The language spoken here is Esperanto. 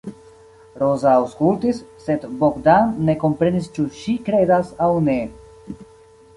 Roza aŭskultis, sed Bogdan ne komprenis ĉu ŝi kredas aŭ ne.